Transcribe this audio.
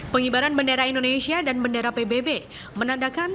pengibaran bendera indonesia dan bendera pbb menandakan